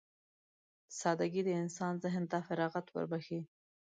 سادهګي د انسان ذهن ته فراغت وربښي.